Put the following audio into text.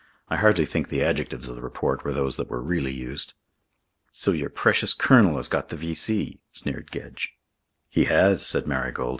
I hardly think the adjectives of the report were those that were really used. "So your precious Colonel has got the V.C.," sneered Gedge. "He has," said Marigold.